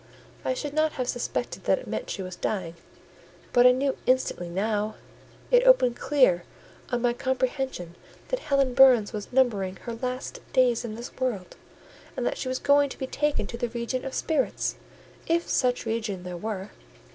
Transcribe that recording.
I should not have suspected that it meant she was dying; but I knew instantly now! It opened clear on my comprehension that Helen Burns was numbering her last days in this world, and that she was going to be taken to the region of spirits, if such region there were.